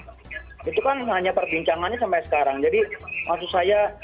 yang kurang baik bentuknya seperti apa itu kan hanya perbincangannya sampai sekarang jadi maksud saya